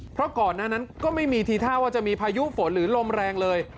เพราะก่อนหน้านั้นก็ไม่มีทีท่าว่าจะมีพายุฝนหรือลมแรงเลย